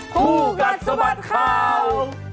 ผู้กัดสะบัดคราว